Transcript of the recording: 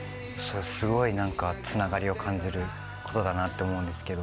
すごい何かつながりを感じることだなって思うんですけど。